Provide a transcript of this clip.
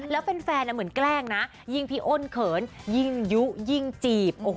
แล้วแฟนเหมือนแกล้งนะยิ่งพี่อ้นเขินยิ่งยุยิ่งจีบ